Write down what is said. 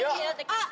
あっ